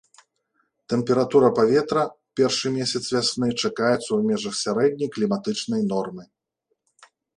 Тэмпература паветра ў першы месяц вясны чакаецца ў межах сярэдняй кліматычнай нормы.